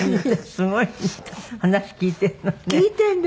すごい話聞いているのね。